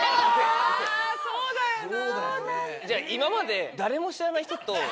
あぁそうだよな。